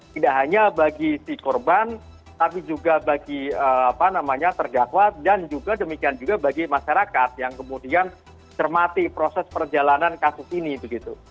tidak hanya bagi si korban tapi juga bagi terdakwa dan juga demikian juga bagi masyarakat yang kemudian cermati proses perjalanan kasus ini begitu